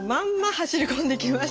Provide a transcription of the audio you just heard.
走り込んできました。